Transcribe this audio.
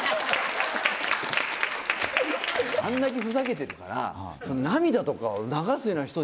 あんだけふざけてるから。